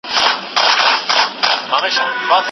زده کوونکي په انټرنیټ کې ازموینې ورکوي.